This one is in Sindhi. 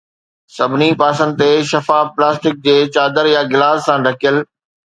سڀني پاسن تي شفاف پلاسٽڪ جي چادر يا گلاس سان ڍڪيل